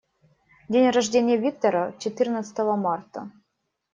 День рождения Виктора - четырнадцатого марта.